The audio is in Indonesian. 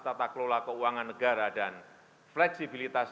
tata kelola keuangan negara dan fleksibilitas